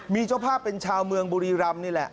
มีเจ้าภาพเป็นชาวเมืองบุรีรำนี่แหละ